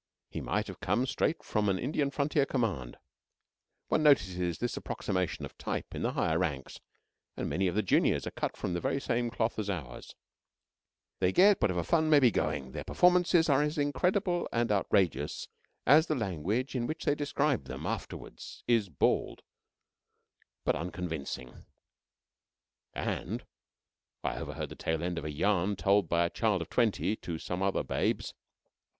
He might have come straight from an Indian frontier command. One notices this approximation of type in the higher ranks, and many of the juniors are cut out of the very same cloth as ours. They get whatever fun may be going: their performances are as incredible and outrageous as the language in which they describe them afterward is bald, but convincing, and I overheard the tail end of a yarn told by a child of twenty to some other babes.